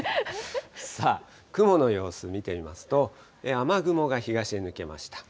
さあ、雲の様子見てみますと、雨雲が東へ抜けました。